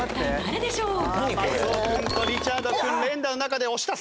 松尾君とリチャード君連打の中で押した！